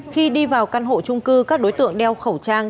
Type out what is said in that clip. khi đi vào căn hộ trung cư các đối tượng đeo khẩu trang